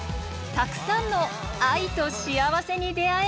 たくさんの愛と幸せに出会える旅。